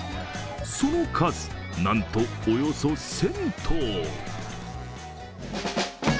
その数、なんとおよそ１０００頭。